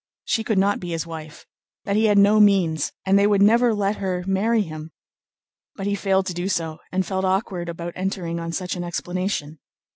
she could not be his wife, that he had no means, and they would never let her marry him. But he failed to do so and felt awkward about entering on such an explanation.